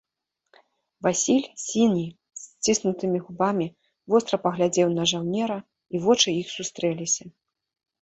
Васіль, сіні, з сціснутымі губамі, востра паглядзеў на жаўнера, і вочы іх сустрэліся.